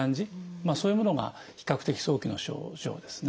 そういうものが比較的早期の症状ですね。